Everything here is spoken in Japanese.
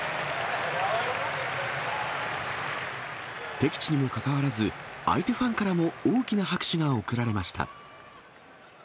敵地にもかかわらず、相手ファンからも大きな拍手が送られました。